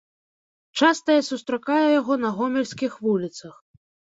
Часта я сустракаю яго на гомельскіх вуліцах.